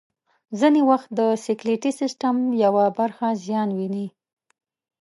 ځینې وخت د سکلیټي سیستم یوه برخه زیان ویني.